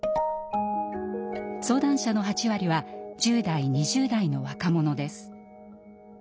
相談者の８割は１０代２０代の若者です。